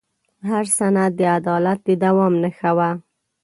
هر سند د عدالت د دوام نښه وه.